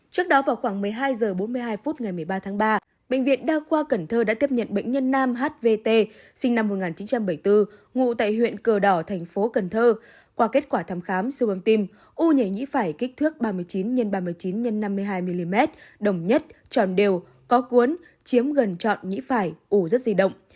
trước đó vào khoảng một mươi hai h bốn mươi hai phút ngày một mươi ba tháng ba bệnh viện đa khoa cần thơ đã tiếp nhận bệnh nhân nam hvt sinh năm một nghìn chín trăm bảy mươi bốn ngụ tại huyện cờ đỏ thành phố cần thơ qua kết quả thăm khám siêu bầm tim u nhảy nhĩ phải kích thước ba mươi chín x ba mươi chín x năm mươi hai mm đồng nhất tròn đều có cuốn chiếm gần trọn nhĩ phải ủ rất di động